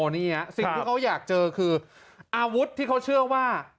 นี่สิ่งที่เขาอยากเจอคืออาวุธที่เขาเชื่อว่า